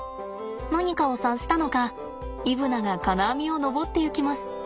何かを察したのかイブナが金網を登っていきます。